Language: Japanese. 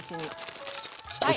はい。